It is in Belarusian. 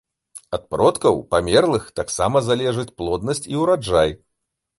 Ад продкаў, памерлых таксама залежыць плоднасць і ўраджай.